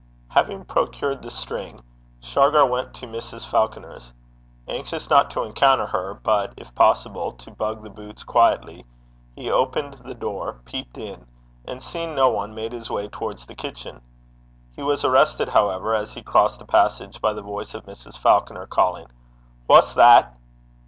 Having procured the string, Shargar went to Mrs. Falconer's. Anxious not to encounter her, but, if possible, to bag the boots quietly, he opened the door, peeped in, and seeing no one, made his way towards the kitchen. He was arrested, however, as he crossed the passage by the voice of Mrs. Falconer calling, 'Wha's that?'